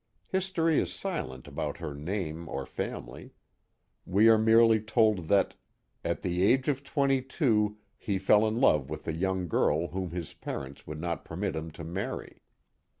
History is silent about her name or family. We are merely told that at the age of twenty two he fell in love with a young girl whom his parents would not permit him to marry."